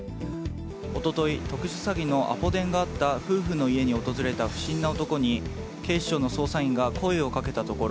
一昨日特殊詐欺のアポ電があった夫婦の家に訪れた不審な男に警視庁の捜査員が声をかけたところ